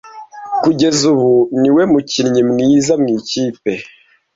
Kugeza ubu niwe mukinnyi mwiza mu ikipe.